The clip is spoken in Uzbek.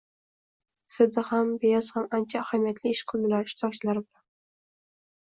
Seda ham, Beyaz ham ancha ahamiyatli ish qildilar ishtirokchilari bilan.